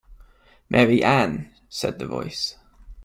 Mary Ann!’ said the voice.